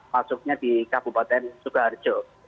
maksudnya di kabupaten sukaharjo